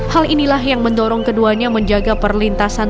hal inilah yang mendorong keduanya menjaga perlintasan